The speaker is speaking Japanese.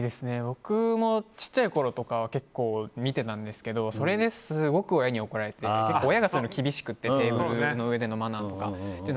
僕も小さいころとかは結構見ていたんですけどそれですごく親に怒られて、親が厳しくてテーブルの上でのマナーとか。